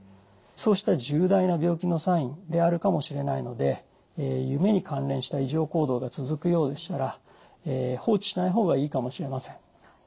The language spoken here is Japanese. そうした重大な病気のサインであるかもしれないので夢に関連した異常行動が続くようでしたら放置しない方がいいかもしれません。